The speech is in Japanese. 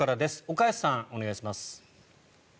岡安さん、お願いします。